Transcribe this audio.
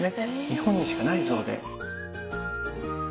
日本にしかない像で。